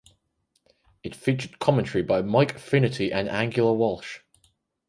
It featured commentary by Mike Finnerty and Angela Walsh.